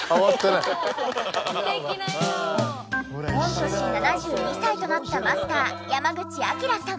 御年７２歳となったマスター山口章さん。